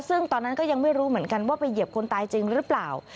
ซึ่งตอนนั้นก็ยังไม่รู้เหมือนกันว่าไปเหยียบคนตายจริงหรือเปล่า